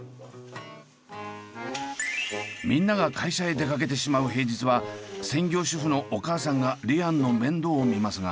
みんなが会社へ出かけてしまう平日は専業主婦のお母さんがリアンの面倒を見ますが。